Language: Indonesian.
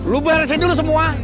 lu beresin dulu semua